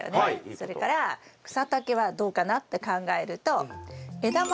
それから草丈はどうかなって考えると。